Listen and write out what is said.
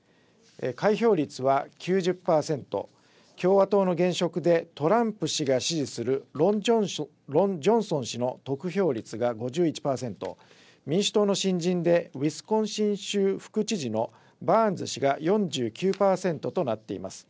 開票率は９０％、共和党の現職でトランプ氏が支持するロン・ジョンソン氏の得票率が５１％、民主党の新人でウィスコンシン州副知事のバーンズ氏が４９％となっています。